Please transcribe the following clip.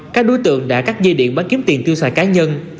các đối tượng đã cắt dây điện bán kiếm tiền tiêu xài cá nhân